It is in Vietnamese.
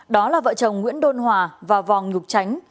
đó là vợ chồng nguyễn đôn hòa và vòng nhục tránh